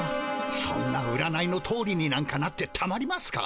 そんな占いのとおりになんかなってたまりますか。